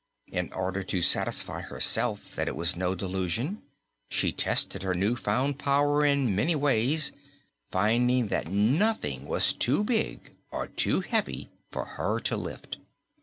In order to satisfy herself that it was no delusion, she tested her new found power in many ways, finding that nothing was too big nor too heavy for her to lift.